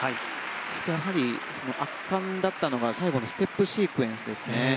そして圧巻だったのは最後のステップシークエンスですね。